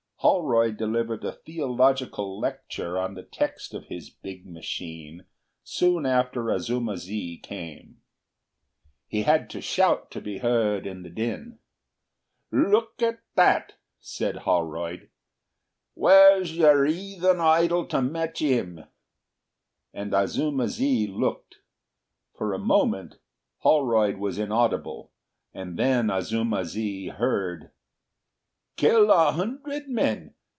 Holroyd delivered a theological lecture on the text of his big machine soon after Azuma zi came. He had to shout to be heard in the din. "Look at that," said Holroyd; "where's your 'eathen idol to match 'im?" And Azuma zi looked. For a moment Holroyd was inaudible, and then Azuma zi heard: "Kill a hundred men.